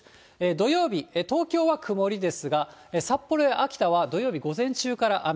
土曜日、東京は曇りですが、札幌や秋田は土曜日午前中から雨。